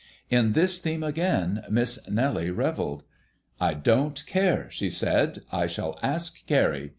In this theme again Miss Nellie revelled. "I don't care," she said, "I shall ask Carrie.